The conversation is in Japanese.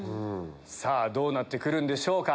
どうなってくるんでしょうか？